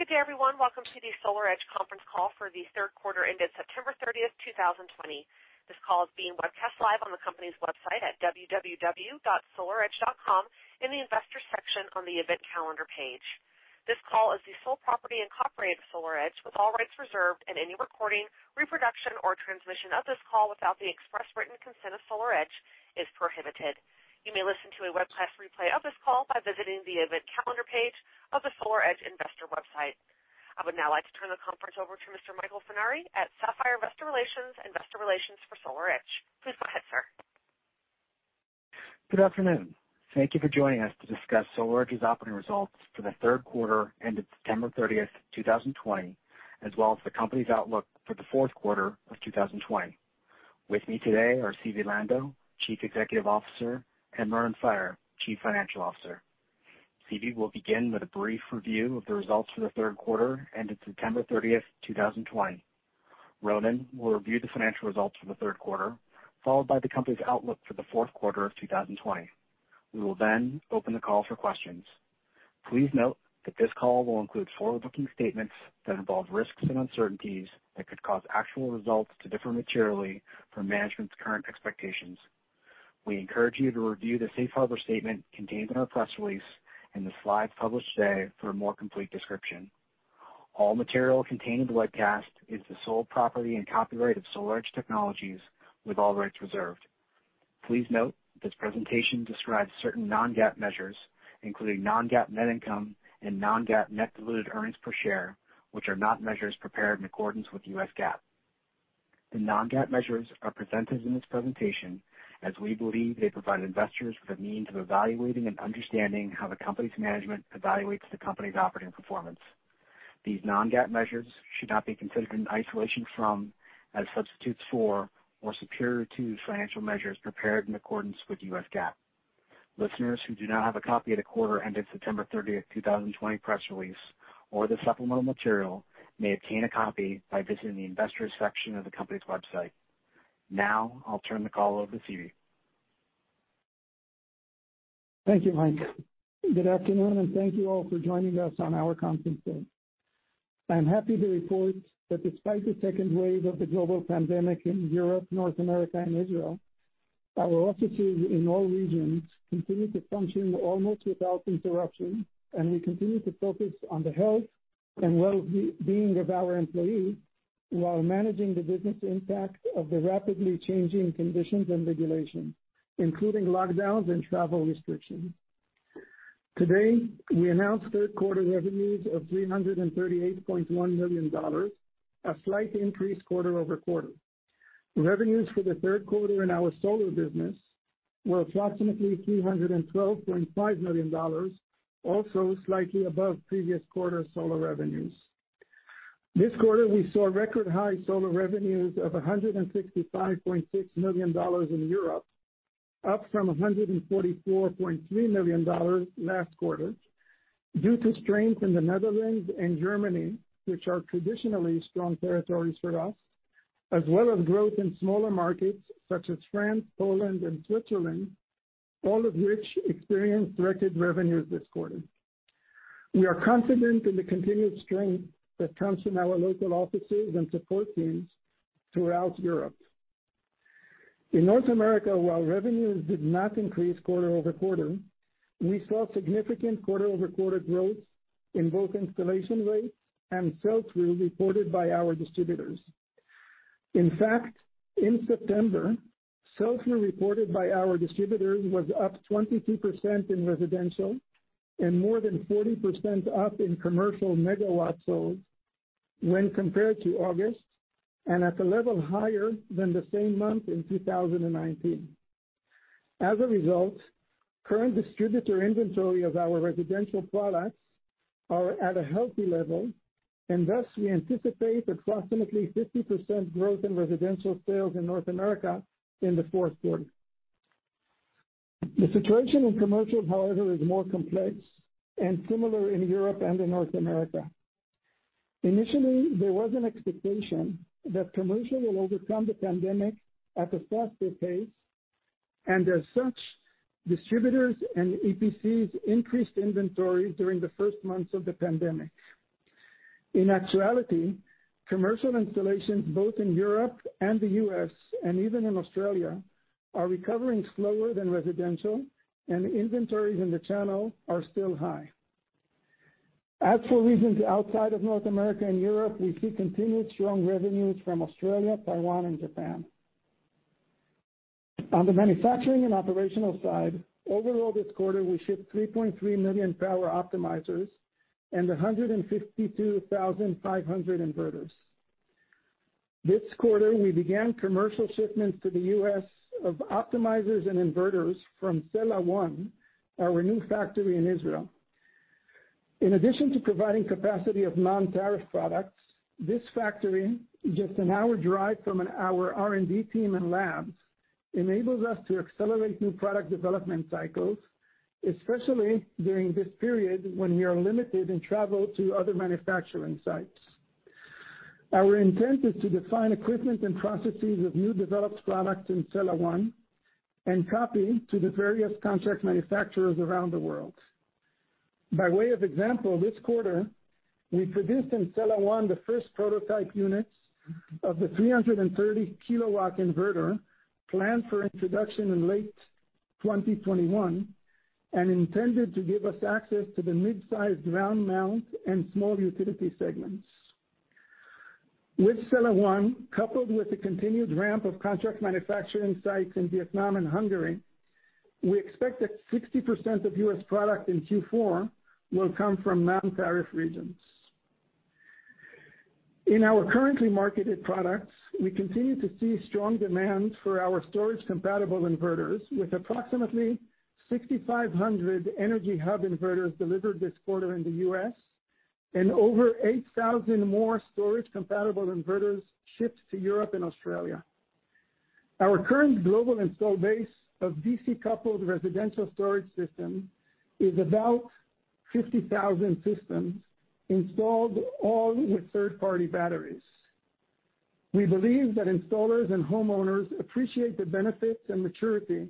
Good day, everyone. Welcome to the SolarEdge conference call for the third quarter ended September 30th, 2020. This call is being webcast live on the company's website at www.solaredge.com in the Investors section on the Event Calendar page. This call is the sole property of SolarEdge Incorporated, with all rights reserved, and any recording, reproduction, or transmission of this call without the express written consent of SolarEdge is prohibited. You may listen to a webcast replay of this call by visiting the Event Calendar page of the SolarEdge Investor website. I would now like to turn the conference over to Mr. Michael Funari at Sapphire Investor Relations, Investor Relations for SolarEdge. Please go ahead, sir. Good afternoon. Thank you for joining us to discuss SolarEdge's operating results for the third quarter ended September 30th, 2020, as well as the company's outlook for the fourth quarter of 2020. With me today are Zvi Lando, Chief Executive Officer, and Ronen Faier, Chief Financial Officer. Zvi will begin with a brief review of the results for the third quarter ended September 30th, 2020. Ronen will review the financial results for the third quarter, followed by the company's outlook for the fourth quarter of 2020. We will then open the call for questions. Please note that this call will include forward-looking statements that involve risks and uncertainties that could cause actual results to differ materially from management's current expectations. We encourage you to review the safe harbor statement contained in our press release and the slides published today for a more complete description. All material contained in the webcast is the sole property and copyright of SolarEdge Technologies, with all rights reserved. Please note this presentation describes certain non-GAAP measures, including non-GAAP net income and non-GAAP net diluted earnings per share, which are not measures prepared in accordance with U.S. GAAP. The non-GAAP measures are presented in this presentation as we believe they provide investors with a means of evaluating and understanding how the company's management evaluates the company's operating performance. These non-GAAP measures should not be considered in isolation from, as substitutes for, or superior to financial measures prepared in accordance with U.S. GAAP. Listeners who do not have a copy of the quarter ending September 30th, 2020 press release or the supplemental material may obtain a copy by visiting the Investors section of the company's website. I'll turn the call over to Zvi. Thank you, Mike. Good afternoon, and thank you all for joining us on our conference call. I'm happy to report that despite the second wave of the global pandemic in Europe, North America, and Israel, our offices in all regions continue to function almost without interruption, and we continue to focus on the health and well-being of our employees while managing the business impact of the rapidly changing conditions and regulations, including lockdowns and travel restrictions. Today, we announced third-quarter revenues of $338.1 million, a slight increase quarter-over-quarter. Revenues for the third quarter in our solar business were approximately $312.5 million, also slightly above the previous quarter's solar revenues. This quarter, we saw record-high solar revenues of $165.6 million in Europe, up from $144.3 million last quarter, due to strength in the Netherlands and Germany, which are traditionally strong territories for us, as well as growth in smaller markets such as France, Poland, and Switzerland, all of which experienced record revenues this quarter. We are confident in the continued strength that comes from our local offices and support teams throughout Europe. In North America, while revenues did not increase quarter-over-quarter, we saw significant quarter-over-quarter growth in both installation rates and sell-through reported by our distributors. In fact, in September, sell-through reported by our distributors was up 22% in residential and more than 40% up in commercial megawatt sold when compared to August and at a level higher than the same month in 2019. As a result, current distributor inventory of our residential products are at a healthy level, and thus we anticipate approximately 50% growth in residential sales in North America in the fourth quarter. The situation in commercial, however, is more complex and similar in Europe and in North America. Initially, there was an expectation that commercial will overcome the pandemic at a faster pace, and as such, distributors and EPCs increased inventory during the first months of the pandemic. In actuality, commercial installations both in Europe and the U.S., and even in Australia, are recovering slower than residential, and inventories in the channel are still high. As for regions outside of North America and Europe, we see continued strong revenues from Australia, Taiwan, and Japan. On the manufacturing and operational side, overall this quarter, we shipped 3.3 million power optimizers and 152,500 inverters. This quarter, we began commercial shipments to the U.S. of optimizers and inverters from Sella 1, our new factory in Israel. In addition to providing capacity of non-tariff products, this factory, just an hour drive from our R&D team and labs, enables us to accelerate new product development cycles, especially during this period when we are limited in travel to other manufacturing sites. Our intent is to define equipment and processes of new developed products in Sella 1 and copy to the various contract manufacturers around the world. By way of example, this quarter, we produced in Sella 1 the first prototype units of the 330 kW inverter planned for introduction in late 2021, and intended to give us access to the mid-sized ground mount and small utility segments. With Sella 1, coupled with the continued ramp of contract manufacturing sites in Vietnam and Hungary, we expect that 60% of U.S. product in Q4 will come from non-tariff regions. In our currently marketed products, we continue to see strong demand for our storage-compatible inverters, with approximately 6,500 Energy Hub inverters delivered this quarter in the U.S. and over 8,000 more storage-compatible inverters shipped to Europe and Australia. Our current global install base of DC-coupled residential storage system is about 50,000 systems installed, all with third-party batteries. We believe that installers and homeowners appreciate the benefits and maturity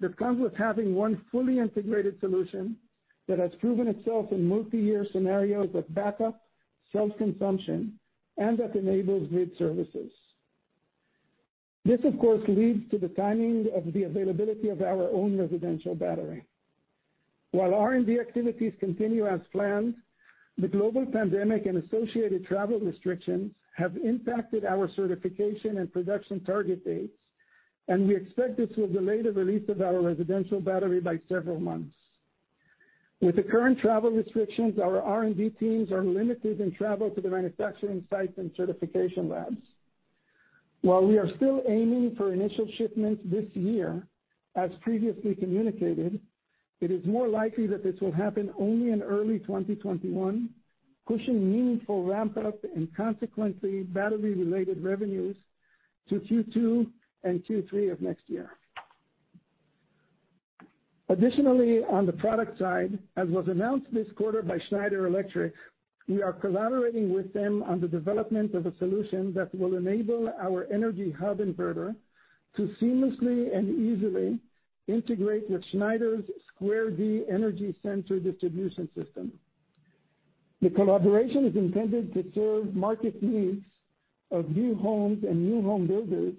that comes with having one fully integrated solution that has proven itself in multi-year scenarios with backup, self-consumption, and that enables grid services. This, of course, leads to the timing of the availability of our own residential battery. While R&D activities continue as planned, the global pandemic and associated travel restrictions have impacted our certification and production target dates, and we expect this will delay the release of our residential battery by several months. With the current travel restrictions, our R&D teams are limited in travel to the manufacturing sites and certification labs. While we are still aiming for initial shipments this year, as previously communicated, it is more likely that this will happen only in early 2021, pushing meaningful ramp-up and consequently battery-related revenues to Q2 and Q3 of next year. Additionally, on the product side, as was announced this quarter by Schneider Electric, we are collaborating with them on the development of a solution that will enable our Energy Hub inverter to seamlessly and easily integrate with Schneider's Square D Energy Center distribution system. The collaboration is intended to serve market needs of new homes and new home builders,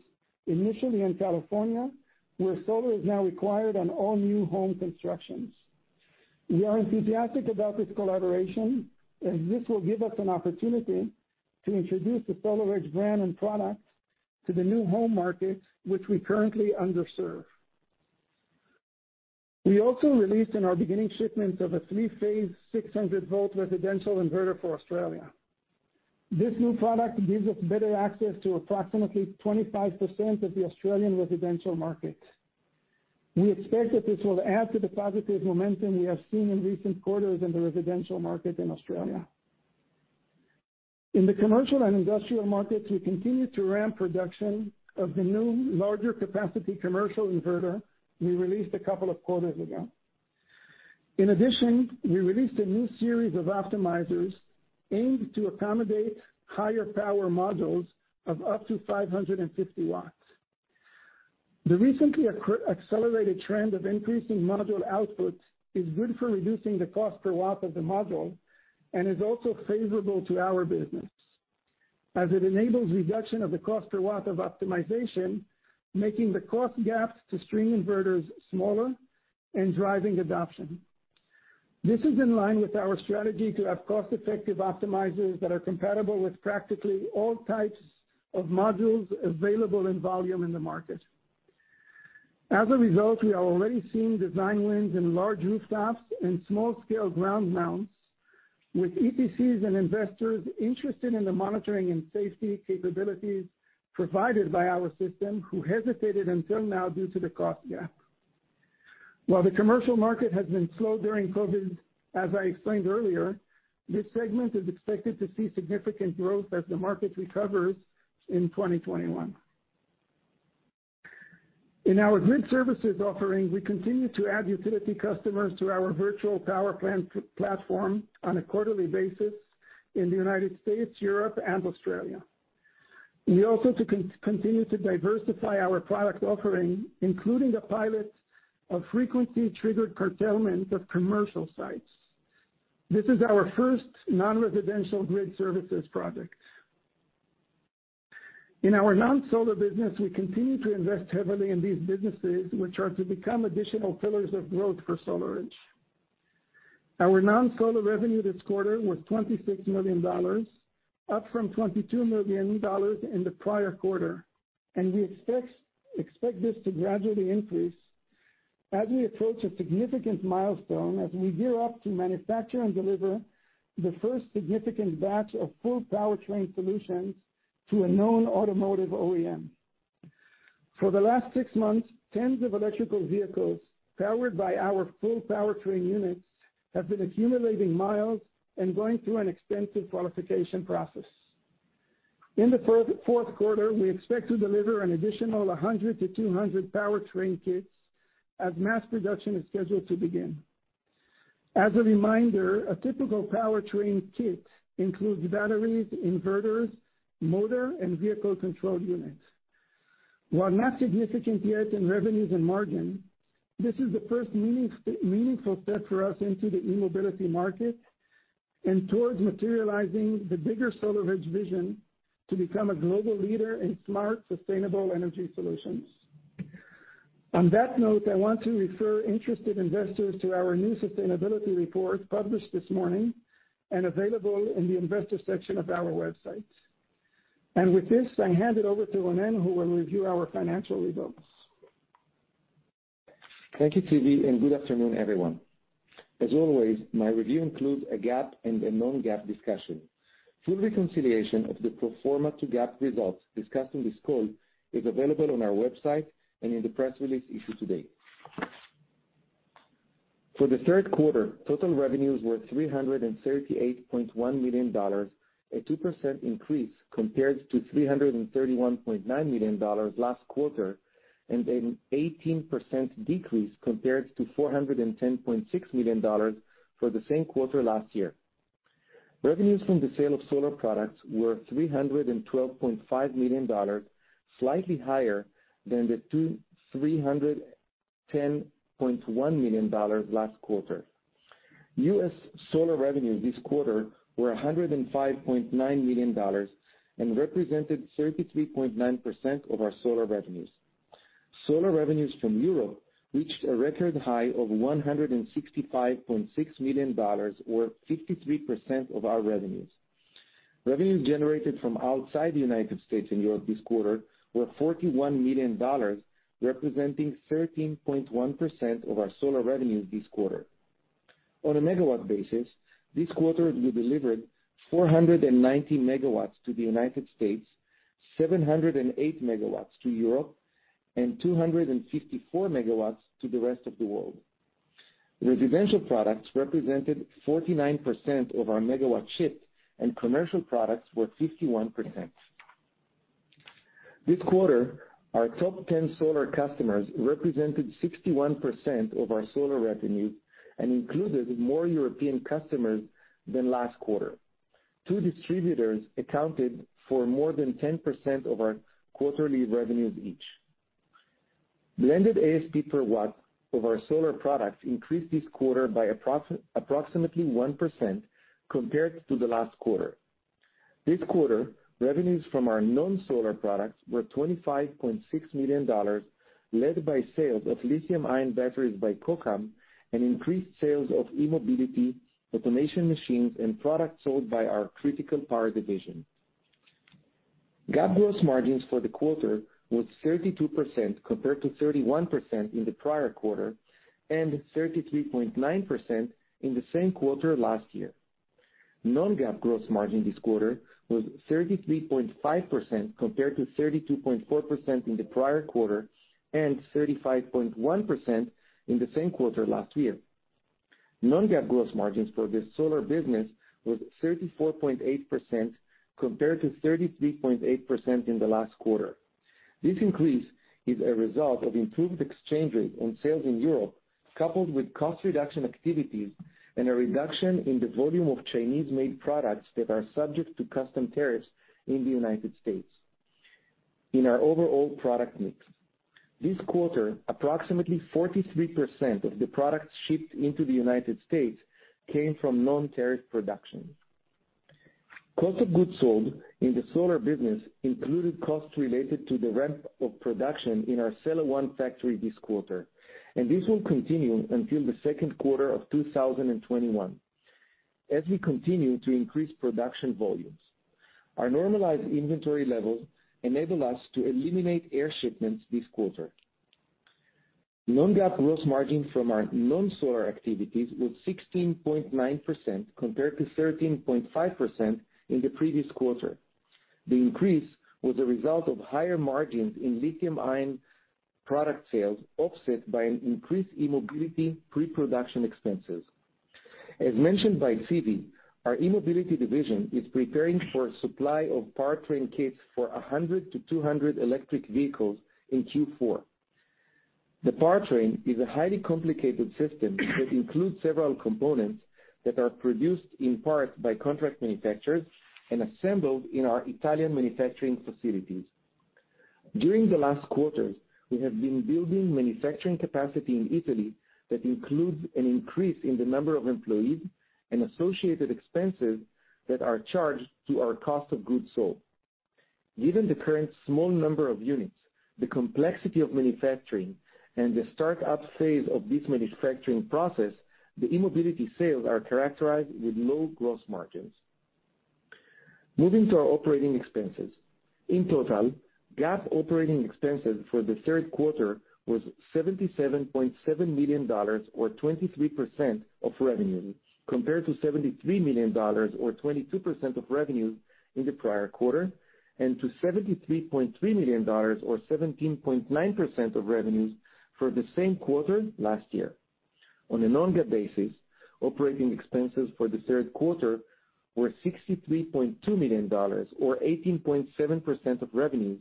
initially in California, where solar is now required on all new home constructions. We are enthusiastic about this collaboration, as this will give us an opportunity to introduce the SolarEdge brand and product to the new home market, which we currently underserve. We also released in our beginning shipments of a three-phase 600 V residential inverter for Australia. This new product gives us better access to approximately 25% of the Australian residential market. We expect that this will add to the positive momentum we have seen in recent quarters in the residential market in Australia. In the commercial and industrial markets, we continue to ramp production of the new larger capacity commercial inverter we released a couple of quarters ago. In addition, we released a new series of optimizers aimed to accommodate higher power modules of up to 550 W. The recently accelerated trend of increasing module output is good for reducing the cost per watt of the module and is also favorable to our business, as it enables reduction of the cost per watt of optimization, making the cost gaps to string inverters smaller and driving adoption. This is in line with our strategy to have cost-effective optimizers that are compatible with practically all types of modules available in volume in the market. As a result, we are already seeing design wins in large rooftops and small-scale ground mounts with EPCs and investors interested in the monitoring and safety capabilities provided by our system, who hesitated until now due to the cost gap. While the commercial market has been slow during COVID, as I explained earlier, this segment is expected to see significant growth as the market recovers in 2021. In our grid services offering, we continue to add utility customers to our virtual power plant platform on a quarterly basis in the United States, Europe, and Australia. We also continue to diversify our product offering, including the pilot of frequency-triggered curtailment of commercial sites. This is our first non-residential grid services project. In our non-solar business, we continue to invest heavily in these businesses, which are to become additional pillars of growth for SolarEdge. Our non-solar revenue this quarter was $26 million, up from $22 million in the prior quarter. We expect this to gradually increase as we approach a significant milestone as we gear up to manufacture and deliver the first significant batch of full powertrain solutions to a known automotive OEM. For the last six months, tens of electrical vehicles powered by our full powertrain units have been accumulating miles and going through an extensive qualification process. In the fourth quarter, we expect to deliver an additional 100 to 200 powertrain kits as mass production is scheduled to begin. As a reminder, a typical powertrain kit includes batteries, inverters, motor, and vehicle control units. While not significant yet in revenues and margin, this is the first meaningful step for us into the e-mobility market and towards materializing the bigger SolarEdge vision to become a global leader in smart, sustainable energy solutions. On that note, I want to refer interested investors to our new sustainability report published this morning and available in the Investor section of our website. With this, I hand it over to Ronen, who will review our financial results. Thank you, Zvi, good afternoon, everyone. As always, my review includes a GAAP and a non-GAAP discussion. Full reconciliation of the pro forma to GAAP results discussed on this call is available on our website and in the press release issued today. For the third quarter, total revenues were $338.1 million, a 2% increase compared to $331.9 million last quarter, and an 18% decrease compared to $410.6 million for the same quarter last year. Revenues from the sale of solar products were $312.5 million, slightly higher than the $310.1 million last quarter. U.S. solar revenues this quarter were $105.9 million and represented 33.9% of our solar revenues. Solar revenues from Europe reached a record high of $165.6 million, or 53% of our revenues. Revenues generated from outside the United States and Europe this quarter were $41 million, representing 13.1% of our solar revenues this quarter. On a megawatt basis, this quarter, we delivered 490 MW to the United States, 708 MW to Europe, and 254 MW to the rest of the world. Residential products represented 49% of our megawatt shift, and commercial products were 51%. This quarter, our top 10 solar customers represented 61% of our solar revenue and included more European customers than last quarter. Two distributors accounted for more than 10% of our quarterly revenues each. Blended ASP per watt of our solar products increased this quarter by approximately 1% compared to the last quarter. This quarter, revenues from our non-solar products were $25.6 million, led by sales of lithium-ion batteries by Kokam and increased sales of e-mobility, automation machines, and products sold by our critical power division. GAAP gross margins for the quarter was 32% compared to 31% in the prior quarter and 33.9% in the same quarter last year. Non-GAAP gross margin this quarter was 33.5% compared to 32.4% in the prior quarter and 35.1% in the same quarter last year. Non-GAAP gross margins for the solar business was 34.8% compared to 33.8% in the last quarter. This increase is a result of improved exchange rate on sales in Europe, coupled with cost reduction activities and a reduction in the volume of Chinese-made products that are subject to custom tariffs in the United States in our overall product mix. This quarter, approximately 43% of the products shipped into the United States came from non-tariff production. Cost of goods sold in the solar business included costs related to the ramp of production in our Sella 1 factory this quarter, and this will continue until the second quarter of 2021 as we continue to increase production volumes. Our normalized inventory levels enable us to eliminate air shipments this quarter. Non-GAAP gross margin from our non-solar activities was 16.9% compared to 13.5% in the previous quarter. The increase was a result of higher margins in lithium-ion product sales, offset by an increased e-mobility pre-production expenses. As mentioned by Zvi, our e-mobility division is preparing for supply of powertrain kits for 100 to 200 electric vehicles in Q4. The powertrain is a highly complicated system that includes several components that are produced in part by contract manufacturers and assembled in our Italian manufacturing facilities. During the last quarters, we have been building manufacturing capacity in Italy that includes an increase in the number of employees and associated expenses that are charged to our cost of goods sold. Given the current small number of units, the complexity of manufacturing, and the start-up phase of this manufacturing process, the e-mobility sales are characterized with low gross margins. Moving to our operating expenses. In total, GAAP operating expenses for the third quarter were $77.7 million or 23% of revenues, compared to $73 million or 22% of revenues in the prior quarter, and to $73.3 million or 17.9% of revenues for the same quarter last year. On a non-GAAP basis, operating expenses for the third quarter were $63.2 million or 18.7% of revenues,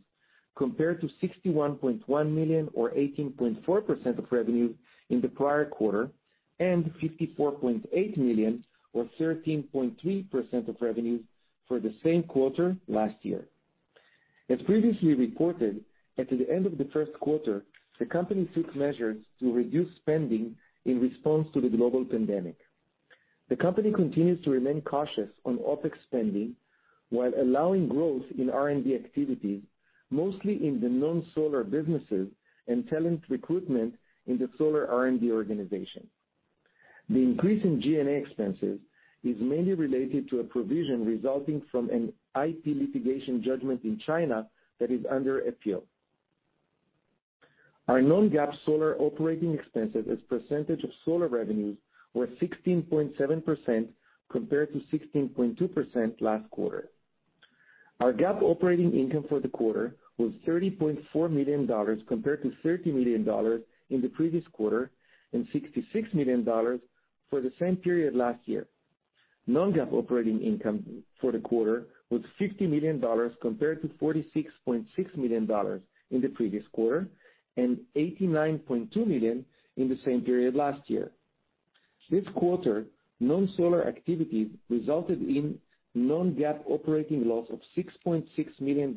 compared to $61.1 million or 18.4% of revenue in the prior quarter and $54.8 million or 13.3% of revenue for the same quarter last year. As previously reported, at the end of the first quarter, the company took measures to reduce spending in response to the global pandemic. The company continues to remain cautious on OPEX spending while allowing growth in R&D activities, mostly in the non-solar businesses and talent recruitment in the solar R&D organization. The increase in G&A expenses is mainly related to a provision resulting from an IP litigation judgment in China that is under appeal. Our non-GAAP solar operating expenses as percentage of solar revenues were 16.7% compared to 16.2% last quarter. Our GAAP operating income for the quarter was $30.4 million compared to $30 million in the previous quarter and $66 million for the same period last year. Non-GAAP operating income for the quarter was $50 million compared to $46.6 million in the previous quarter and $89.2 million in the same period last year. This quarter, non-solar activities resulted in non-GAAP operating loss of $6.6 million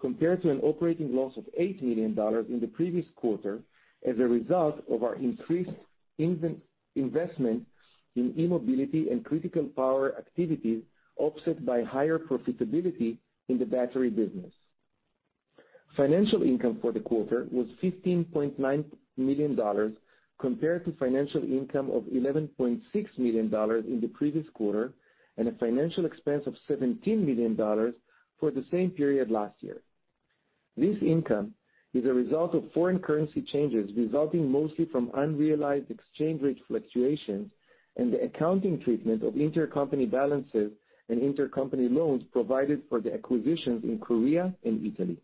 compared to an operating loss of $8 million in the previous quarter as a result of our increased investment in e-mobility and critical power activities offset by higher profitability in the battery business. Financial income for the quarter was $15.9 million compared to financial income of $11.6 million in the previous quarter and a financial expense of $17 million for the same period last year. This income is a result of foreign currency changes resulting mostly from unrealized exchange rate fluctuations and the accounting treatment of intercompany balances and intercompany loans provided for the acquisitions in Korea and Italy.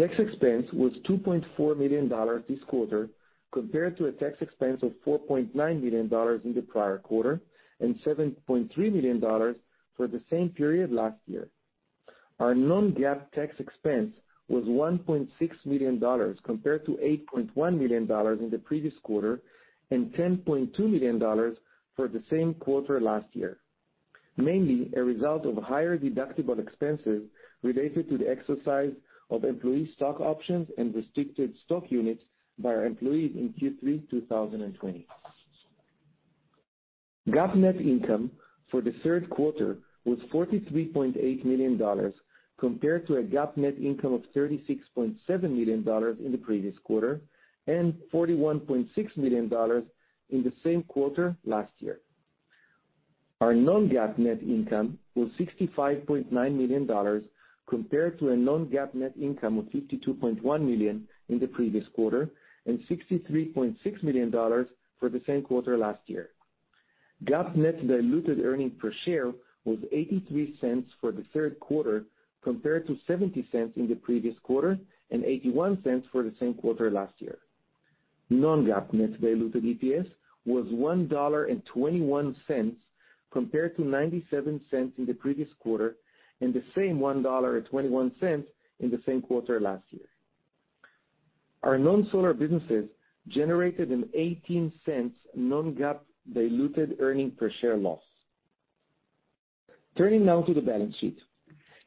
Tax expense was $2.4 million this quarter compared to a tax expense of $4.9 million in the prior quarter and $7.3 million for the same period last year. Our non-GAAP tax expense was $1.6 million compared to $8.1 million in the previous quarter and $10.2 million for the same quarter last year, mainly a result of higher deductible expenses related to the exercise of employee stock options and restricted stock units by our employees in Q3 2020. GAAP net income for the third quarter was $43.8 million compared to a GAAP net income of $36.7 million in the previous quarter and $41.6 million in the same quarter last year. Our non-GAAP net income was $65.9 million compared to a non-GAAP net income of $52.1 million in the previous quarter and $63.6 million for the same quarter last year. GAAP net diluted earnings per share was $0.83 for the third quarter compared to $0.70 in the previous quarter and $0.81 for the same quarter last year. Non-GAAP net diluted EPS was $1.21 compared to $0.97 in the previous quarter and the same $1.21 in the same quarter last year. Our non-solar businesses generated an $0.18 non-GAAP diluted earnings per share loss. Turning now to the balance sheet.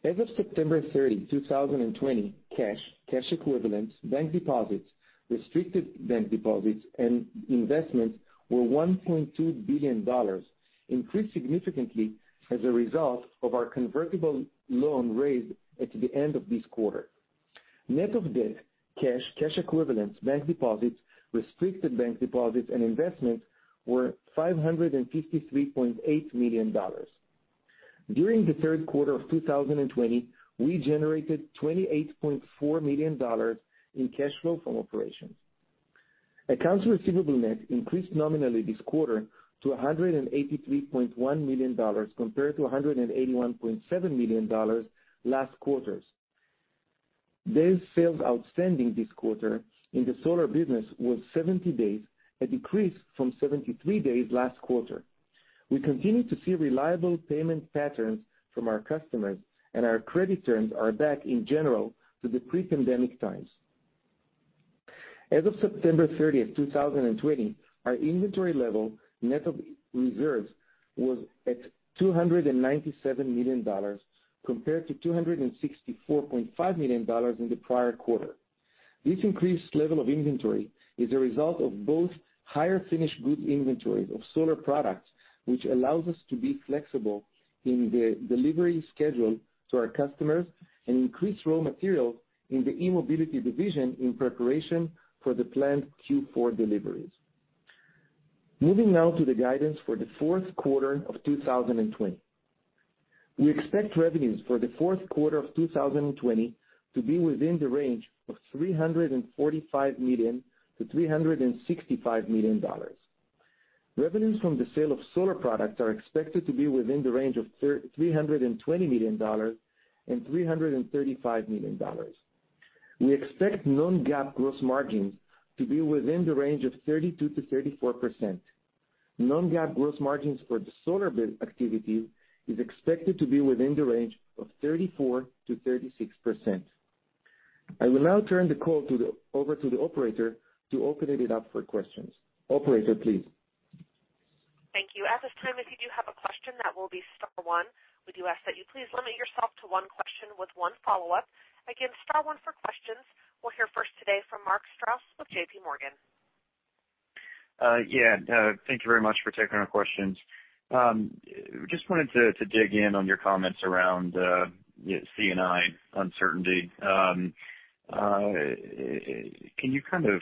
As of September 30, 2020, cash equivalents, bank deposits, restricted bank deposits, and investments were $1.2 billion, increased significantly as a result of our convertible loan raised at the end of this quarter. Net of debt, cash equivalents, bank deposits, restricted bank deposits, and investments were $553.8 million. During the third quarter of 2020, we generated $28.4 million in cash flow from operations. Accounts receivable net increased nominally this quarter to $183.1 million compared to $181.7 million last quarters. Days sales outstanding this quarter in the solar business was 70 days, a decrease from 73 days last quarter. We continue to see reliable payment patterns from our customers and our credit terms are back in general to the pre-pandemic times. As of September 30th, 2020, our inventory level net of reserves was at $297 million compared to $264.5 million in the prior quarter. This increased level of inventory is a result of both higher finished goods inventories of solar products, which allows us to be flexible in the delivery schedule to our customers and increase raw material in the e-mobility division in preparation for the planned Q4 deliveries. Moving now to the guidance for the fourth quarter of 2020. We expect revenues for the fourth quarter of 2020 to be within the range of $345 million-$365 million. Revenues from the sale of solar products are expected to be within the range of $320 million and $335 million. We expect non-GAAP gross margins to be within the range of 32%-34%. Non-GAAP gross margins for the solar activity is expected to be within the range of 34%-36%. I will now turn the call over to the operator to open it up for questions. Operator, please. Thank you. At this time, if you do have a question, that will be star one. We do ask that you please limit yourself to one question with one follow-up. Again, star one for questions. We'll hear first today from Mark Strouse with JPMorgan. Yeah. Thank you very much for taking our questions. Just wanted to dig in on your comments around C&I uncertainty. Can you kind of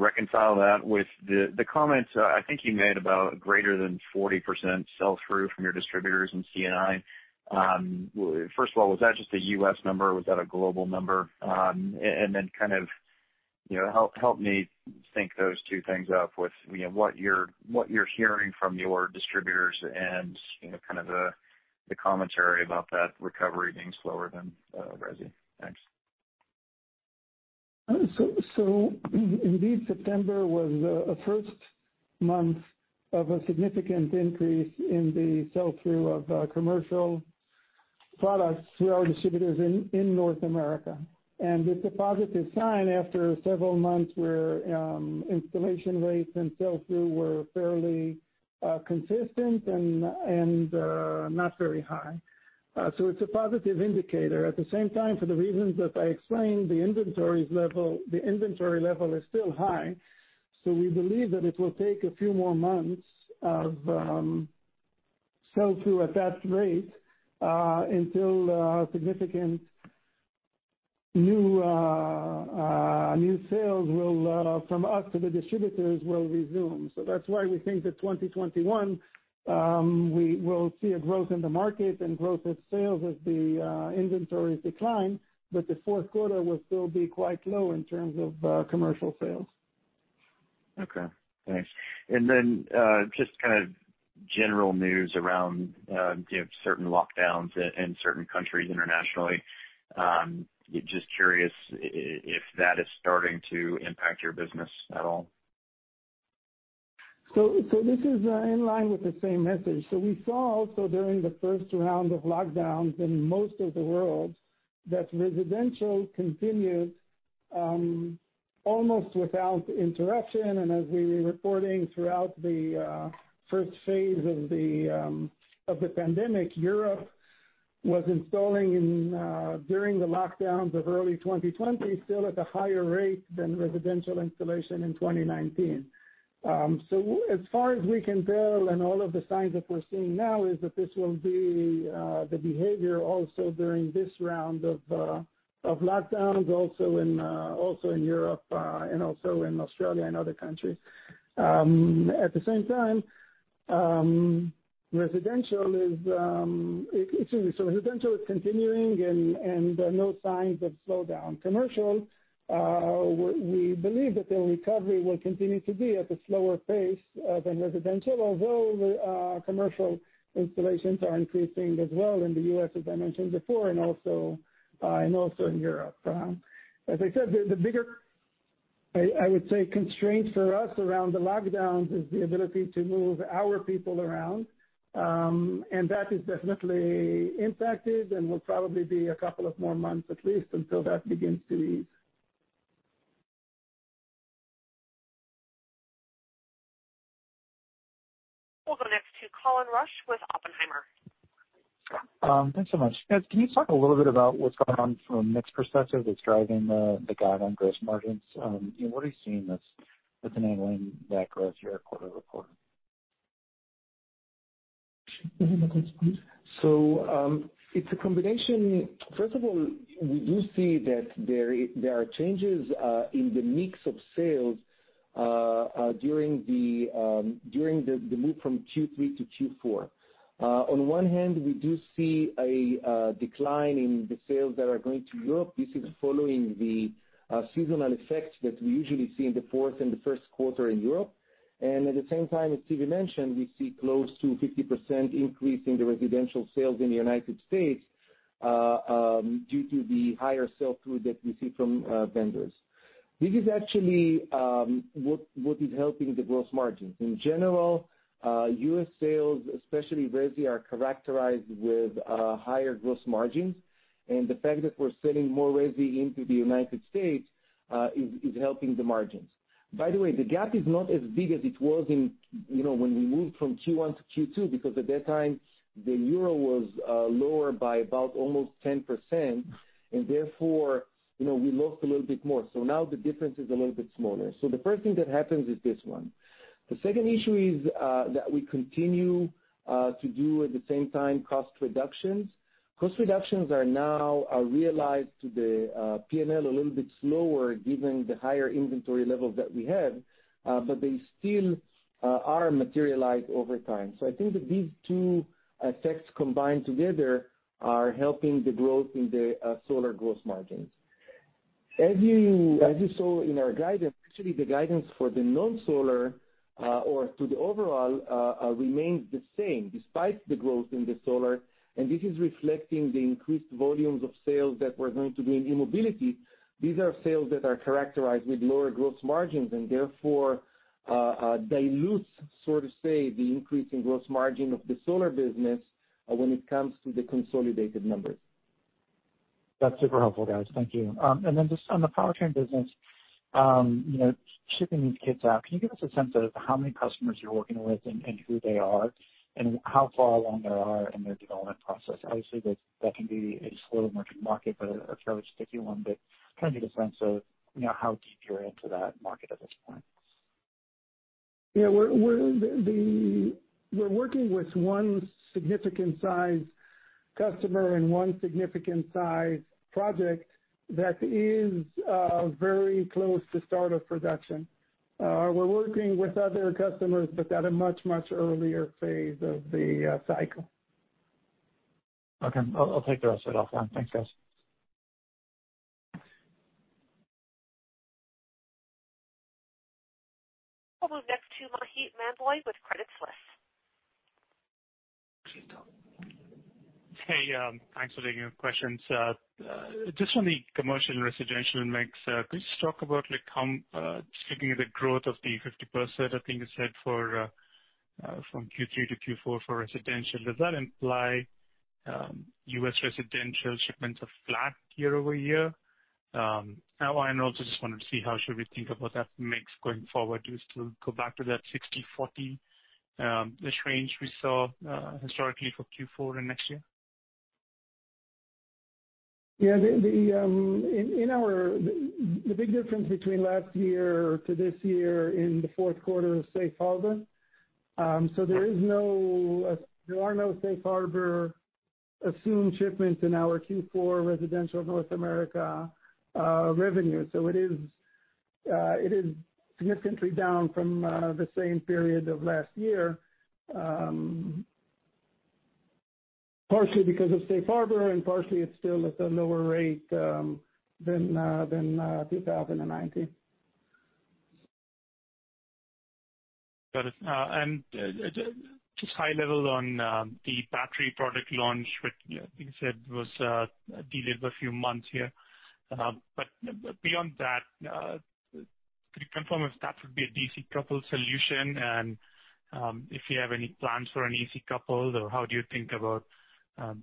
reconcile that with the comments I think you made about greater than 40% sell-through from your distributors in C&I? First of all, was that just a U.S. number? Was that a global number? Help me sync those two things up with what you're hearing from your distributors and the commentary about that recovery being slower than residential. Thanks. Indeed, September was a first month of a significant increase in the sell-through of commercial products through our distributors in North America. It's a positive sign after several months where installation rates and sell-through were fairly consistent and not very high. It's a positive indicator. At the same time, for the reasons that I explained, the inventory level is still high. We believe that it will take a few more months of sell-through at that rate until significant new sales from us to the distributors will resume. That's why we think that 2021, we will see a growth in the market and growth of sales as the inventories decline. The fourth quarter will still be quite low in terms of commercial sales. Okay, thanks. Just kind of general news around certain lockdowns in certain countries internationally. Just curious if that is starting to impact your business at all. This is in line with the same message. We saw also during the first round of lockdowns in most of the world, that residential continued almost without interruption. As we were reporting throughout the first phase of the pandemic, Europe was installing during the lockdowns of early 2020, still at a higher rate than residential installation in 2019. As far as we can tell, and all of the signs that we're seeing now is that this will be the behavior also during this round of lockdowns also in Europe, and also in Australia and other countries. At the same time, residential is continuing and no signs of slowdown. Commercial, we believe that the recovery will continue to be at a slower pace than residential, although the commercial installations are increasing as well in the U.S., as I mentioned before, and also in Europe. As I said, the bigger, I would say, constraint for us around the lockdowns is the ability to move our people around. That is definitely impacted and will probably be a couple of more months at least until that begins to ease. We'll go next to Colin Rusch with Oppenheimer. Thanks so much. Can you talk a little bit about what's going on from a mix perspective that's driving the guide on gross margins? What are you seeing that's enabling that gross quarter report? Go ahead, Ronen, please. It's a combination. First of all, we do see that there are changes in the mix of sales during the move from Q3 to Q4. On one hand, we do see a decline in the sales that are going to Europe. This is following the seasonal effects that we usually see in the fourth and the first quarter in Europe. At the same time, as Zvi mentioned, we see close to 50% increase in the residential sales in the United States due to the higher sell-through that we see from vendors. This is actually what is helping the gross margins. In general, U.S. sales, especially residential, are characterized with higher gross margins. The fact that we're selling more residential into the United States is helping the margins. By the way, the gap is not as big as it was when we moved from Q1 to Q2, because at that time, the euro was lower by about almost 10%, and therefore, we lost a little bit more. Now the difference is a little bit smaller. The first thing that happens is this one. The second issue is that we continue to do, at the same time, cost reductions. Cost reductions are now realized to the P&L a little bit slower given the higher inventory levels that we have, but they still are materialized over time. I think that these two effects combined together are helping the growth in the solar gross margins. As you saw in our guidance, actually the guidance for the non-solar or to the overall remains the same despite the growth in the solar. This is reflecting the increased volumes of sales that we're going to be in e-mobility. These are sales that are characterized with lower gross margins and therefore, dilutes, so to say, the increase in gross margin of the solar business when it comes to the consolidated numbers. That's super helpful, guys. Thank you. Then just on the powertrain business, shipping these kits out, can you give us a sense of how many customers you're working with and who they are and how far along they are in their development process? Obviously, that can be a slow-emerging market, but a fairly sticky one. Trying to get a sense of how deep you're into that market at this point. Yeah. We're working with one significant-size customer and one significant-size project that is very close to start of production. We're working with other customers, but at a much, much earlier phase of the cycle. Okay. I'll take the rest of it offline. Thanks, guys. We'll move next to Maheep Mandloi with Credit Suisse. Please go on. Hey. Thanks for taking the questions. Just on the commercial and residential mix, could you just talk about how speaking of the growth of the 50%, I think you said from Q3 to Q4 for residential, does that imply U.S. residential shipments are flat year-over-year? Also just wanted to see how should we think about that mix going forward. Do you still go back to that 60/40-ish range we saw historically for Q4 and next year? Yeah. The big difference between last year to this year in the fourth quarter is safe harbor. There are no safe harbor assumed shipments in our Q4 residential North America revenue. It is significantly down from the same period of last year, partially because of safe harbor and partially it's still at a lower rate than 2019. Got it. Just high-level on the battery product launch, which I think you said was delayed by a few months here. Beyond that, could you confirm if that would be a DC-coupled solution and if you have any plans for an AC-coupled, or how do you think about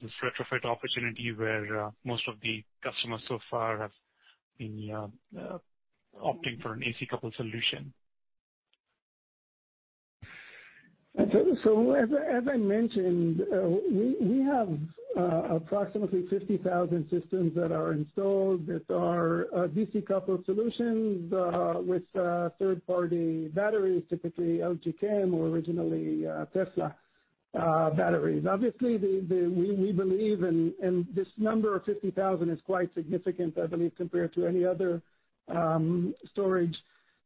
this retrofit opportunity where most of the customers so far have been opting for an AC-coupled solution? As I mentioned, we have approximately 50,000 systems that are installed that are DC-coupled solutions with third-party batteries, typically LG Chem or originally Tesla batteries. Obviously, we believe, and this number of 50,000 is quite significant, I believe, compared to any other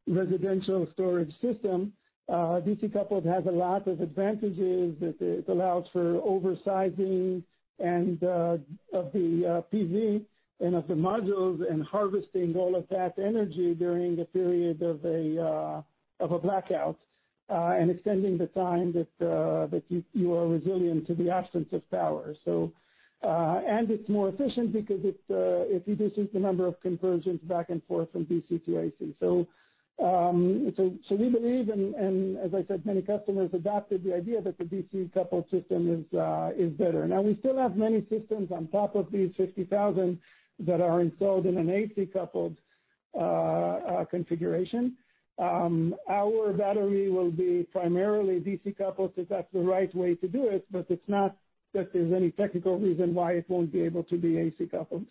residential storage system. DC-coupled has a lot of advantages that it allows for oversizing of the PV and of the modules, and harvesting all of that energy during the period of a blackout, and extending the time that you are resilient to the absence of power. It's more efficient because it reduces the number of conversions back and forth from DC to AC. We believe and, as I said, many customers adopted the idea that the DC-coupled system is better. Now, we still have many systems on top of these 50,000 that are installed in an AC-coupled configuration. Our battery will be primarily DC-coupled, if that's the right way to do it, but it's not that there's any technical reason why it won't be able to be AC-coupled.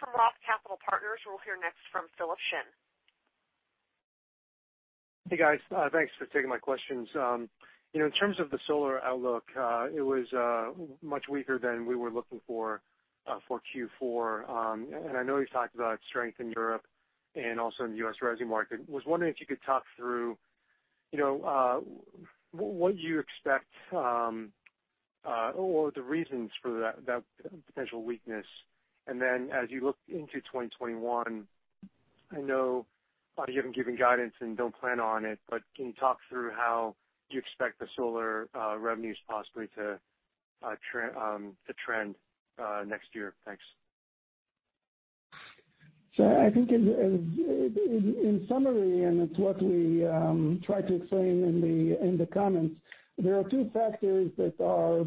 From Roth Capital Partners, we'll hear next from Philip Shen. Hey, guys. Thanks for taking my questions. In terms of the solar outlook, it was much weaker than we were looking for Q4. I know you've talked about strength in Europe and also in the U.S. residential market. I was wondering if you could talk through what you expect or the reasons for that potential weakness. Then as you look into 2021, I know you haven't given guidance and don't plan on it, can you talk through how you expect the solar revenues possibly to trend next year? Thanks. I think in summary, and it's what we tried to explain in the comments, there are two factors that are,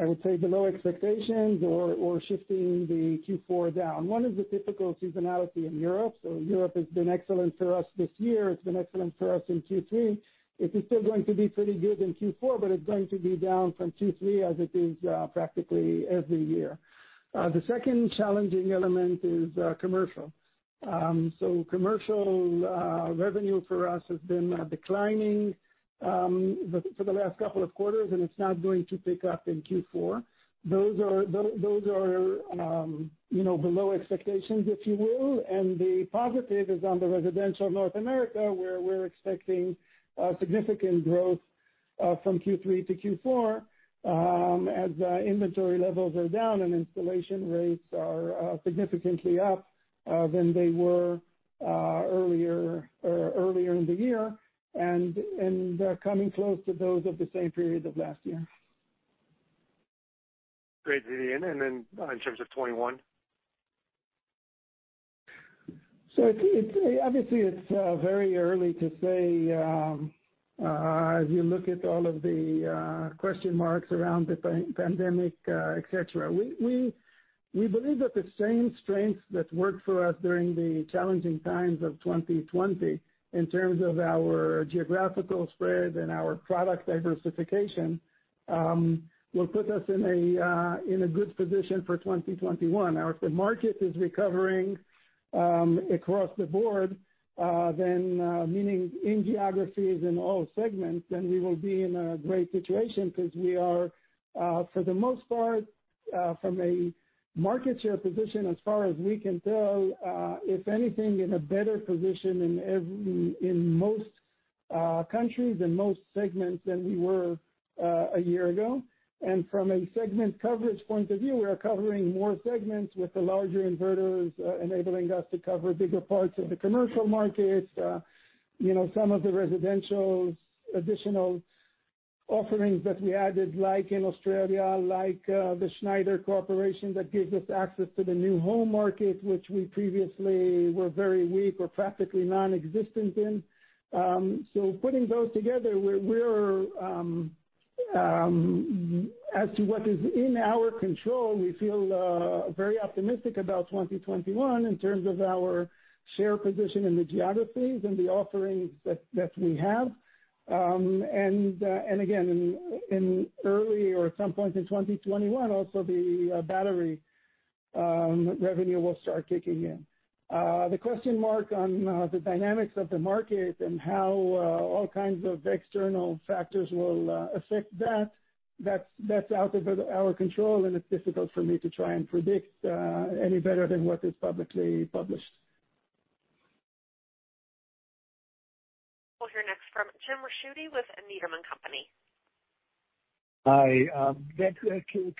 I would say, below expectations or shifting the Q4 down. One is the typical seasonality in Europe. Europe has been excellent for us this year. It's been excellent for us in Q3. It is still going to be pretty good in Q4, but it's going to be down from Q3 as it is practically every year. The second challenging element is commercial. Commercial revenue for us has been declining for the last couple of quarters, and it's not going to pick up in Q4. Those are below expectations, if you will. The positive is on the residential North America, where we're expecting significant growth from Q3 to Q4, as inventory levels are down and installation rates are significantly up than they were earlier in the year, and coming close to those of the same period of last year. Great. In terms of 2021? Obviously, it's very early to say, as you look at all of the question marks around the pandemic, et cetera. We believe that the same strengths that worked for us during the challenging times of 2020 in terms of our geographical spread and our product diversification, will put us in a good position for 2021. If the market is recovering across the board, meaning in geographies, in all segments, then we will be in a great situation because we are, for the most part, from a market-share position, as far as we can tell, if anything, in a better position in most countries and most segments than we were a year ago. From a segment coverage point of view, we are covering more segments with the larger inverters, enabling us to cover bigger parts of the commercial market. Some of the residential additional offerings that we added, like in Australia, like the Schneider Electric, that gives us access to the new home market, which we previously were very weak or practically non-existent in. Putting those together, as to what is in our control, we feel very optimistic about 2021 in terms of our share position in the geographies and the offerings that we have. Again, in early or at some point in 2021, also the battery revenue will start kicking in. The question mark on the dynamics of the market and how all kinds of external factors will affect that's out of our control, and it's difficult for me to try and predict any better than what is publicly published. We'll hear next from Jim Ricchiuti with Needham & Company. Hi. That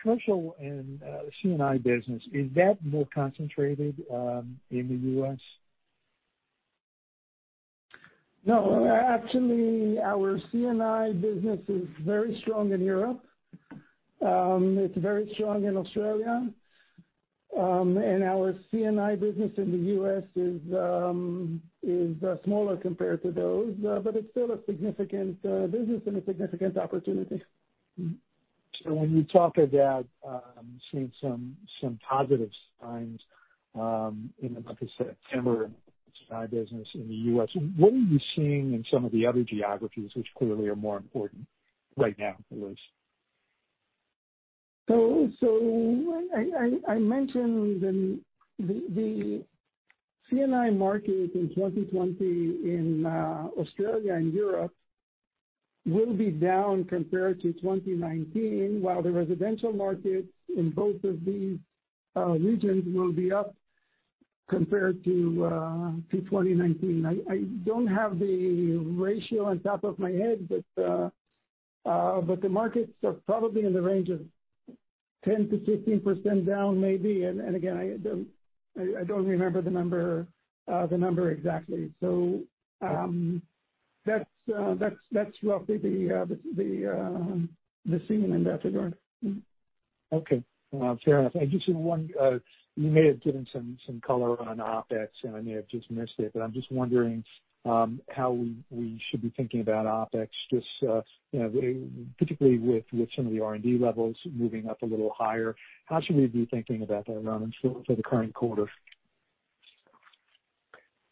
commercial and C&I business, is that more concentrated in the U.S.? No. Actually, our C&I business is very strong in Europe. It's very strong in Australia. Our C&I business in the U.S. is smaller compared to those, but it's still a significant business and a significant opportunity. When you talk about seeing some positive signs in the, like you say, September C&I business in the U.S., what are you seeing in some of the other geographies, which clearly are more important right now, at least? I mentioned the C&I market in 2020 in Australia and Europe will be down compared to 2019, while the residential market in both of these regions will be up compared to 2019. I don't have the ratio on top of my head, but the markets are probably in the range of 10%-15% down maybe. Again, I don't remember the number exactly. That's roughly the scene in that regard. Okay. Fair enough. I guess one, you may have given some color on OPEX, and I may have just missed it. I'm just wondering how we should be thinking about OPEX, just particularly with some of the R&D levels moving up a little higher. How should we be thinking about that, Ronen, for the current quarter?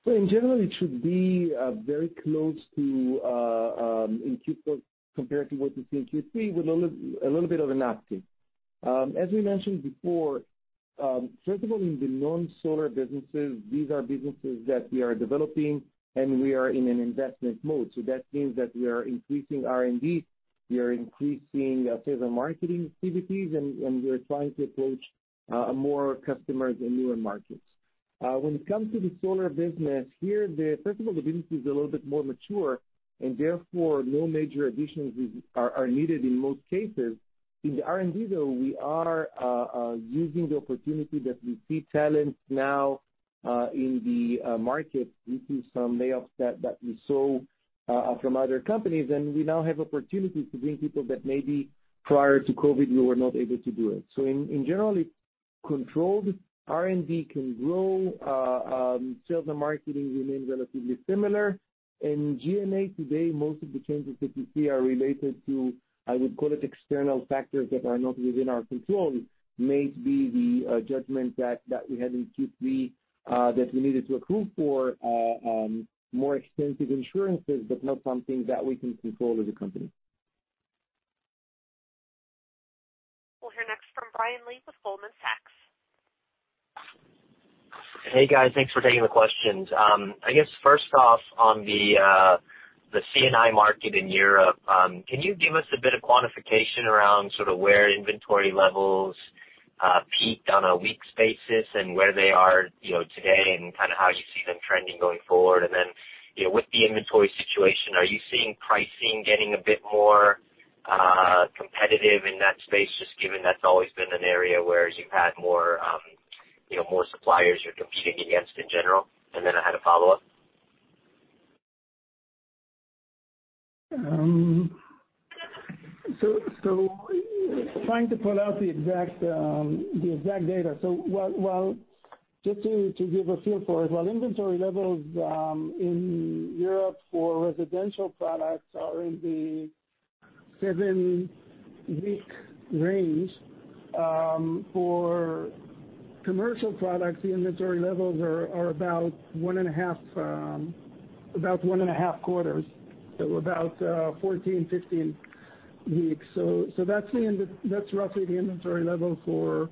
In general, it should be very close to in Q4 compared to what we see in Q3 with a little bit of an uptick. As we mentioned before, first of all, in the non-solar businesses, these are businesses that we are developing, and we are in an investment mode. That means that we are increasing R&D, we are increasing sales and marketing activities, and we are trying to approach more customers in newer markets. When it comes to the solar business, here, first of all, the business is a little bit more mature, and therefore, no major additions are needed in most cases. In the R&D, though, we are using the opportunity that we see talent now in the market due to some layoffs that we saw from other companies, and we now have opportunities to bring people that maybe prior to COVID, we were not able to do it. In general, it's controlled. R&D can grow. Sales and marketing remains relatively similar. In G&A today, most of the changes that you see are related to, I would call it, external factors that are not within our control. May it be the judgment that we had in Q3 that we needed to accrue for more extensive insurances, but not something that we can control as a company. We'll hear next from Brian Lee with Goldman Sachs. Hey, guys. Thanks for taking the questions. I guess first off, on the C&I market in Europe, can you give us a bit of quantification around sort of where inventory levels peaked on a weeks basis and where they are today, and how you see them trending going forward. With the inventory situation, are you seeing pricing getting a bit more competitive in that space, just given that's always been an area whereas you've had more suppliers you're competing against in general? I had a follow-up. Trying to pull out the exact data. Just to give a feel for it, while inventory levels in Europe for residential products are in the seven-week range, for commercial products, the inventory levels are about one and a half quarters. About 14, 15 weeks. That's roughly the inventory level for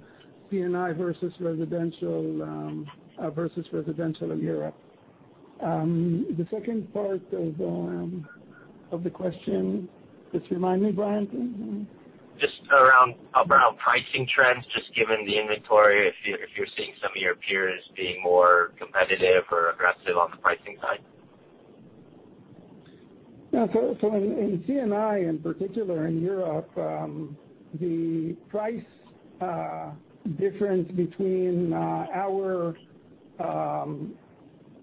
C&I versus residential in Europe. The second part of the question, just remind me, Brian, please? Just around pricing trends, just given the inventory, if you're seeing some of your peers being more competitive or aggressive on the pricing side? Yeah. In C&I, in particular in Europe, the price difference between our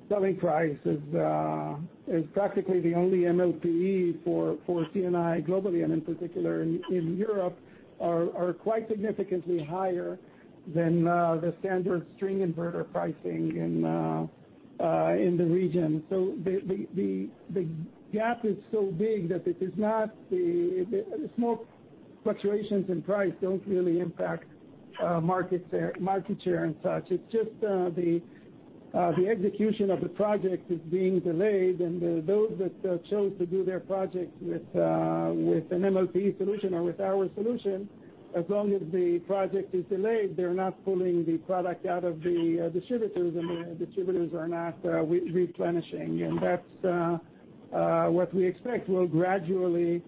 selling price is practically the only MLPE for C&I globally, and in particular in Europe, are quite significantly higher than the standard string inverter pricing in the region. The gap is so big that small fluctuations in price don't really impact market share and such. It's just the execution of the project is being delayed, and those that chose to do their project with an MLPE solution or with our solution, as long as the project is delayed, they're not pulling the product out of the distributors, and the distributors are not replenishing. That's what we expect will gradually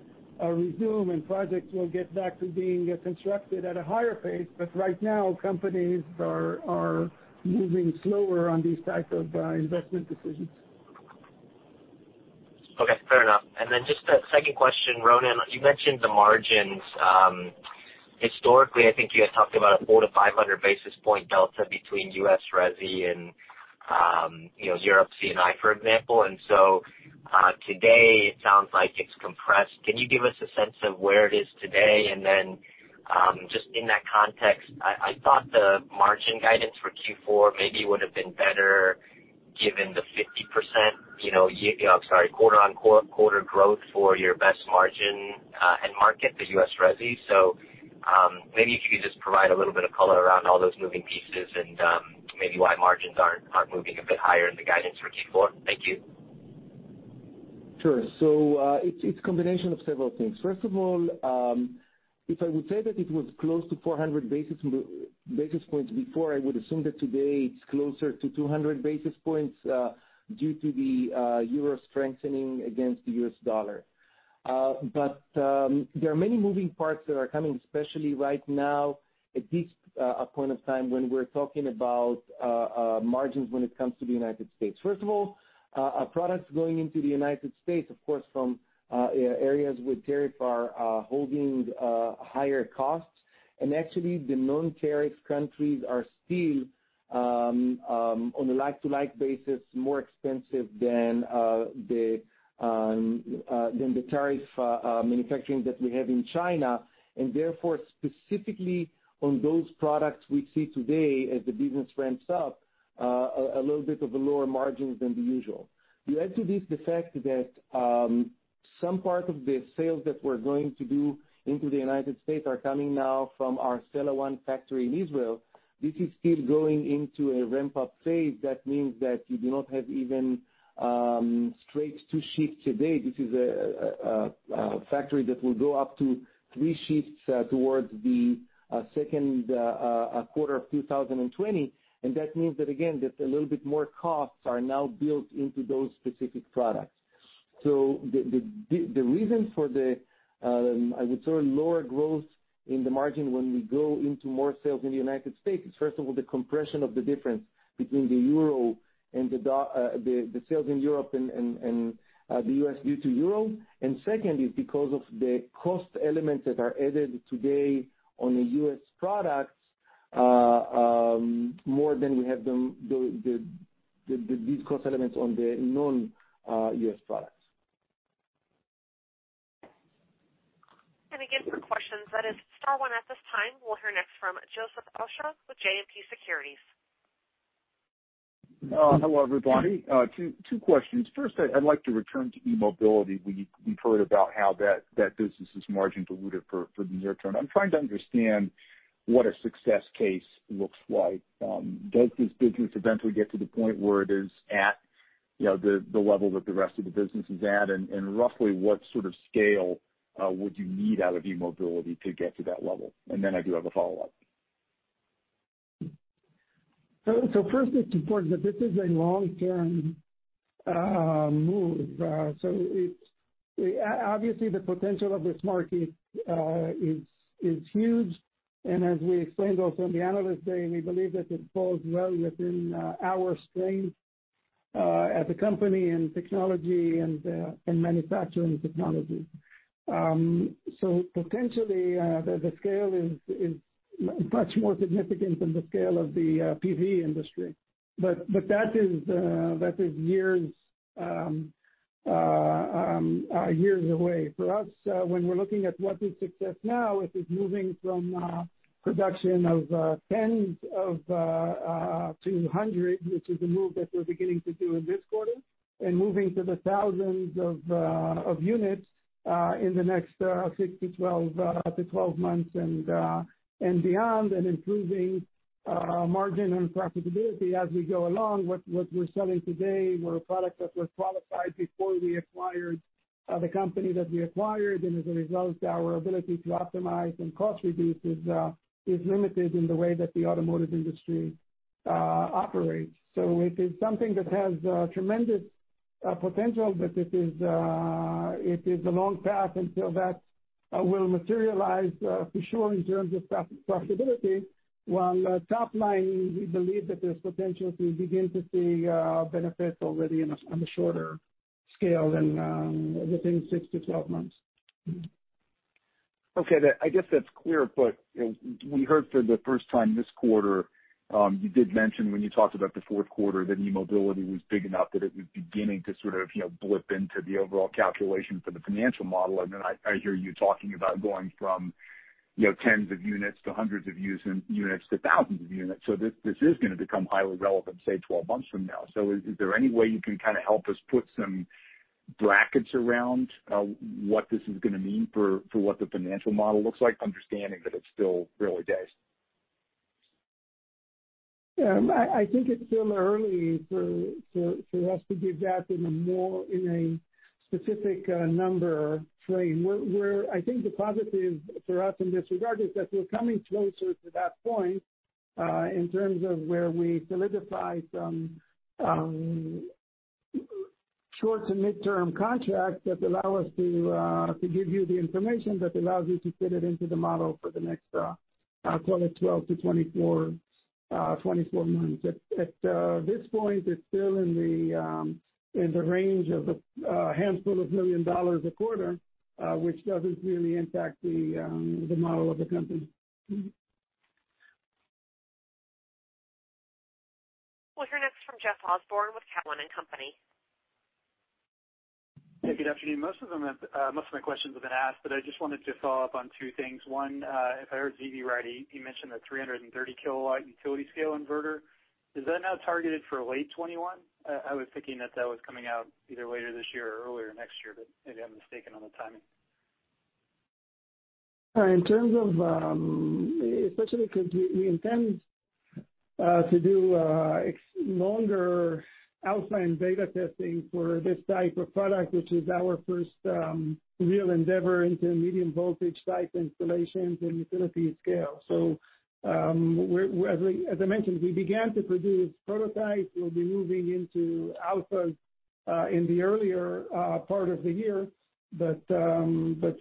resume, and projects will get back to being constructed at a higher pace. Right now, companies are moving slower on these types of investment decisions. Okay, fair enough. Then just a second question. Ronen, you mentioned the margins. Historically, I think you had talked about a 400 basis point-500 basis point delta between U.S. residential and Europe C&I, for example. Today it sounds like it's compressed. Can you give us a sense of where it is today? Then, just in that context, I thought the margin guidance for Q4 maybe would've been better given the 50% quarter-on-quarter growth for your best margin end market, the U.S. residential. Maybe if you could just provide a little bit of color around all those moving pieces and maybe why margins aren't moving a bit higher in the guidance for Q4. Thank you. Sure, it's a combination of several things. First of all, if I would say that it was close to 400 basis points before, I would assume that today it's closer to 200 basis points due to the euro strengthening against the U.S. dollar. There are many moving parts that are coming, especially right now at this point of time when we're talking about margins when it comes to the United States. First of all, products going into the United States, of course, from areas with tariff are holding higher costs. Actually, the non-tariff countries are still, on a like-to-like basis, more expensive than the tariff manufacturing that we have in China, and therefore, specifically on those products we see today as the business ramps up, a little bit of a lower margin than the usual. You add to this the fact that some part of the sales that we're going to do into the United States are coming now from our Sella 1 factory in Israel. This is still going into a ramp-up phase. That means that you do not have even straight two shifts today. This is a factory that will go up to three shifts towards the second quarter of 2020. That means that, again, that a little bit more costs are now built into those specific products. The reasons for the, I would say, lower growth in the margin when we go into more sales in the United States is, first of all, the compression of the difference between the sales in Europe and the U.S. due to euro. Second is because of the cost elements that are added today on the U.S. products more than we have these cost elements on the non-U.S. products. Again, for questions, that is star one. At this time, we'll hear next from Joseph Osha with JMP Securities. Hello, everybody. Two questions. First, I'd like to return to e-mobility. We've heard about how that business is margin diluted for the near term. I'm trying to understand what a success case looks like. Does this business eventually get to the point where it is at the level that the rest of the business is at? Roughly what sort of scale would you need out of e-mobility to get to that level? Then I do have a follow-up. First, it's important that this is a long-term move. Obviously, the potential of this market is huge, and as we explained also in the analyst day, we believe that it falls well within our strength as a company in technology and in manufacturing technology. Potentially, the scale is much more significant than the scale of the PV industry, but that is years away. For us, when we're looking at what is success now, it is moving from production of tens to hundred, which is a move that we're beginning to do in this quarter, and moving to the thousands of units in the next 6 to 12 months and beyond, and improving margin and profitability as we go along. What we're selling today were products that were qualified before we acquired the company that we acquired, and as a result, our ability to optimize and cost reduce is limited in the way that the automotive industry operates. It is something that has tremendous potential, but it is a long path until that will materialize for sure in terms of profitability. While top line, we believe that there's potential to begin to see benefits already on a shorter scale and within 6 to 12 months. I guess that's clear, but we heard for the first time this quarter, you did mention when you talked about the fourth quarter that e-mobility was big enough, that it was beginning to sort of blip into the overall calculation for the financial model. Then I hear you talking about going from tens of units to hundreds of units, to thousands of units. This is going to become highly relevant, say, 12 months from now. Is there any way you can kind of help us put some brackets around what this is going to mean for what the financial model looks like, understanding that it's still early days? I think it's still early for us to give that in a specific number frame. I think the positive for us in this regard is that we're coming closer to that point, in terms of where we solidify some short-to-mid-term contracts that allow us to give you the information that allows you to fit it into the model for the next, call it 12 to 24 months. At this point, it's still in the range of a handful of million dollars a quarter, which doesn't really impact the model of the company. We'll hear next from Jeff Osborne with Cowen and Company. Hey, good afternoon. Most of my questions have been asked, I just wanted to follow up on two things. One, if I heard Zvi right, he mentioned the 330-kW utility scale inverter. Is that now targeted for late 2021? I was thinking that that was coming out either later this year or earlier next year, maybe I'm mistaken on the timing. In terms of, especially because we intend to do longer alpha and beta testing for this type of product, which is our first real endeavor into medium-voltage-type installations and utility scale. As I mentioned, we began to produce prototypes. We'll be moving into alphas in the earlier part of the year.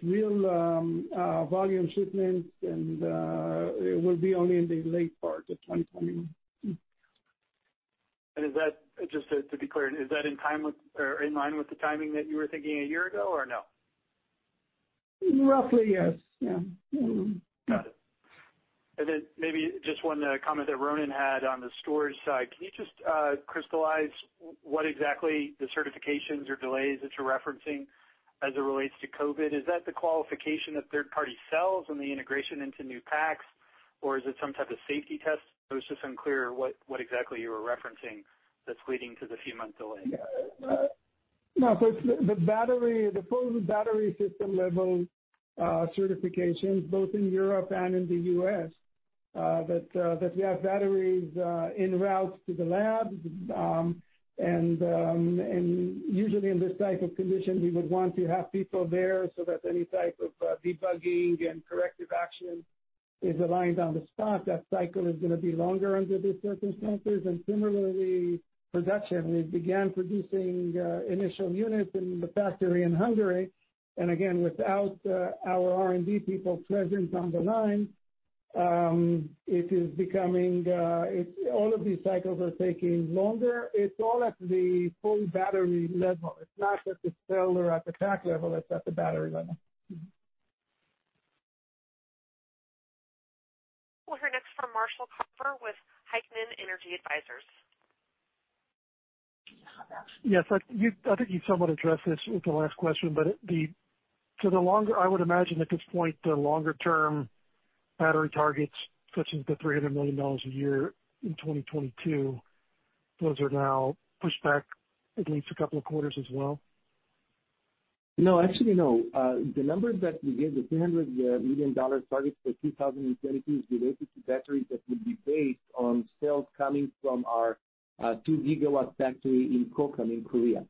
Real volume shipments will be only in the late part of 2021. Just to be clear, is that in line with the timing that you were thinking a year ago or no? Roughly, yes. Yeah. Got it. Maybe just one comment that Ronen had on the storage side. Can you just crystallize what exactly the certifications or delays that you're referencing as it relates to COVID? Is that the qualification that third party sales and the integration into new packs, or is it some type of safety test? I was just unclear what exactly you were referencing that's leading to the few months delay. No. It's the full-battery system level certifications, both in Europe and in the U.S., that we have batteries en route to the lab. Usually in this type of condition, we would want to have people there so that any type of debugging and corrective action is aligned on the spot. That cycle is going to be longer under these circumstances. Similarly, production. We began producing initial units in the factory in Hungary, and again, without our R&D people present on the line, all of these cycles are taking longer. It's all at the full-battery level. It's not at the cell or at the pack level. It's at the battery level. We'll hear next from Marshall Carver with Heikkinen Energy Advisors. Yes. I think you somewhat addressed this with the last question. I would imagine at this point, the longer-term battery targets, such as the $300 million a year in 2022, those are now pushed back at least a couple of quarters as well? No. Actually, no. The number that we gave, the $300 million target for 2022, is related to batteries that will be based on sales coming from our 2-GW factory in Kokam in Korea.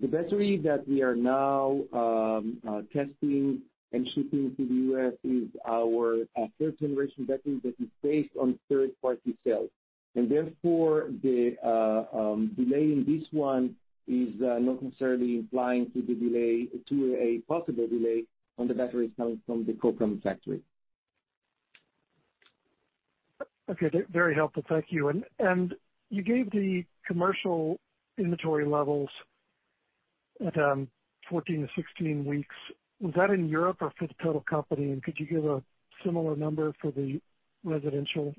The battery that we are now testing and shipping to the U.S. is our third generation battery that is based on third-party sales. Therefore, the delay in this one is not necessarily implying to a possible delay on the batteries coming from the Kokam factory. Okay. Very helpful. Thank you. You gave the commercial inventory levels at 14 to 16 weeks. Was that in Europe or for the total company? Could you give a similar number for the residential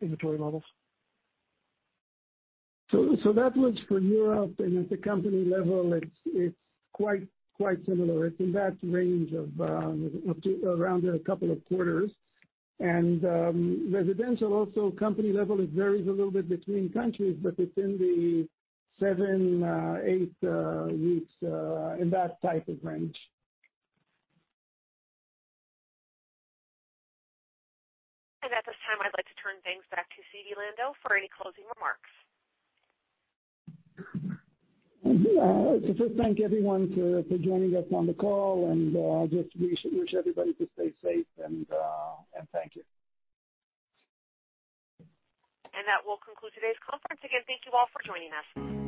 inventory levels? That was for Europe. At the company level, it's quite similar. It's in that range of around a couple of quarters. Residential, also company level, it varies a little bit between countries, but it's in the seven, eight weeks, in that type of range. At this time, I'd like to turn things back to Zvi Lando for any closing remarks. Just thank everyone for joining us on the call, and just we wish everybody to stay safe. Thank you. That will conclude today's conference. Again, thank you all for joining us.